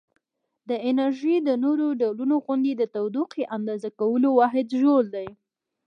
د انرژي د نورو ډولونو غوندې د تودوخې اندازه کولو واحد ژول دی.